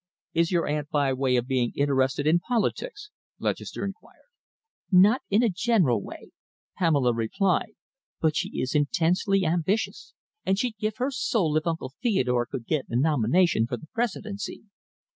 "Is your aunt by way of being interested in politics?" Lutchester inquired. "Not in a general way," Pamela replied, "but she is intensely ambitious, and she'd give her soul if Uncle Theodore could get a nomination for the Presidency."